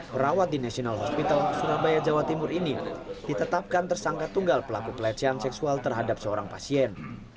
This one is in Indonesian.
perawat di national hospital surabaya jawa timur ini ditetapkan tersangka tunggal pelaku pelecehan seksual terhadap seorang pasien